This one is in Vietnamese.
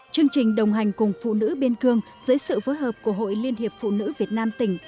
chương trình đồng hành cùng phụ nữ biên cương dưới sự phối hợp của hội liên hiệp phụ nữ việt nam tỉnh